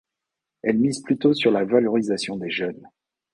Elle mise plutôt sur la valorisation des jeunes.